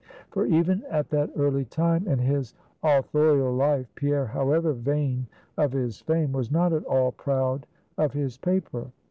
For even at that early time in his authorial life, Pierre, however vain of his fame, was not at all proud of his paper.